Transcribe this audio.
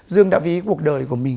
dương đã viết cuộc đời của mình